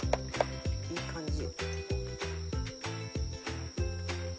いい感じ。